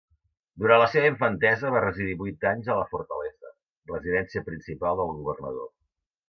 Durant la seva infantesa va residir vuit anys a la Fortaleza, residència principal del governador.